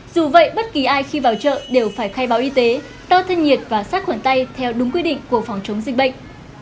dù vậy bất kỳ ai khi vào chợ đều phải khai báo y tế đo thân nhiệt và sát khuẩn tay theo đúng quy định của phòng chống dịch bệnh